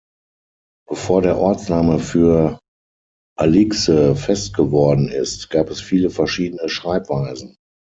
Bevor der Ortsname für Aligse fest geworden ist, gab es viele verschiedene Schreibweisen.